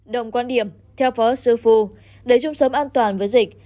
đồng quan điểm theo phó sư phu để chung sống an toàn với dịch